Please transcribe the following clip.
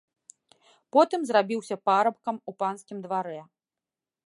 Потым зрабіўся парабкам у панскім дварэ.